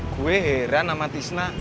gue heran sama tisna